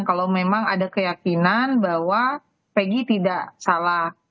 kalau memang ada keyakinan bahwa peggy tidak salah